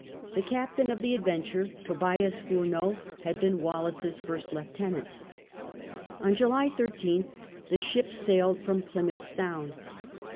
The captain of the Adventure^ Tobias Furneaux, had been Wallis's first lieutenant. On July 13th the sliips sjiiled from Plymouth Sound.